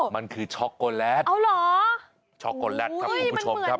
มันคือช็อกโกแลตช็อกโกแลตครับคุณผู้ชมครับ